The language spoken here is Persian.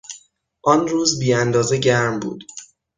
آن روز بیاندازه گرم بود.